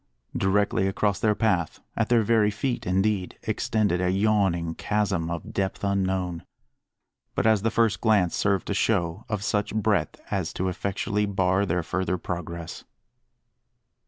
Directly across their path, at their very feet indeed, extended a yawning chasm, of depth unknown but, as the first glance served to show, of such breadth as to effectually bar their further progress.